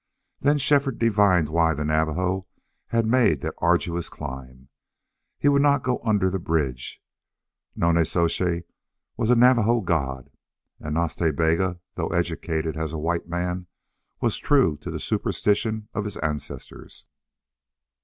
Then Shefford divined why the Navajo had made that arduous climb. He would not go under the bridge. Nonnezoshe was a Navajo god. And Nas Ta Bega, though educated as a white man, was true to the superstition of his ancestors.